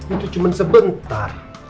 itu cuma sebentar